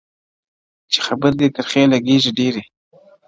چي خبري دي ترخې لګېږي ډېري٫